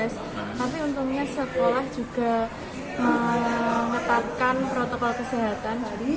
tapi untungnya sekolah juga mengetatkan protokol kesehatan